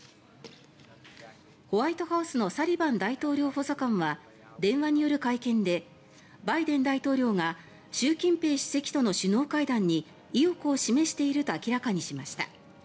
ホワイトハウスのサリバン大統領補佐官は電話による会見でバイデン大統領が習近平主席との首脳会談に意欲を示していると明らかにしました。